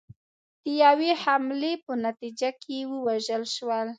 د یوې حملې په نتیجه کې ووژل شول.